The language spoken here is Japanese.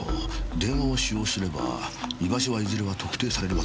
電話を使用すれば居場所はいずれは特定されるわけですからね。